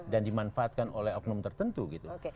dan dimanfaatkan oleh oknum tertentu gitu